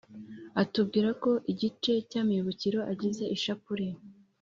atubwira ko igice cy’amibukiro agize ishapule